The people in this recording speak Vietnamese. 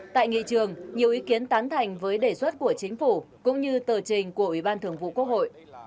tại nghị trường nhiều ý kiến tán thành với đề xuất của chính phủ cũng như tờ trình của ủy ban thường vụ quốc hội